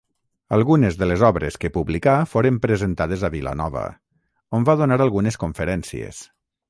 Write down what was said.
Algunes de les obres que publicà foren presentades a Vilanova, on va donar algunes conferències.